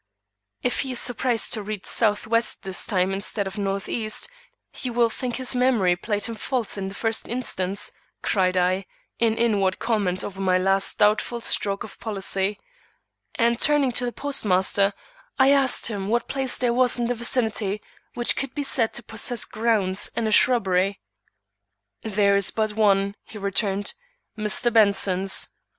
"If he is surprised to read southwest this time instead of northeast, he will think his memory played him false in the first instance," cried I, in inward comment over my last doubtful stroke of policy; and turning to the postmaster, I asked him what place there was in the vicinity which could be said to possess grounds and a shrubbery. "There is but one," he returned, "Mr. Benson's.